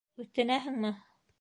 Үтенәһеңме?